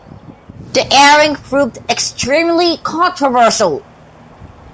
The airing proved extremely controversial.